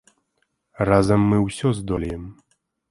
Разам мы ўсё здолеем.